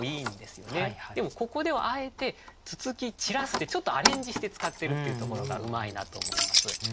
でもここではあえて「つつき散らす」ってちょっとアレンジして使ってるっていうところがうまいなと思います。